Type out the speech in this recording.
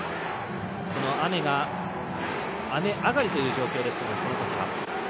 このときは雨上がりという状況でした。